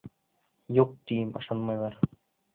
Юҡ, тием -ышанмайҙар.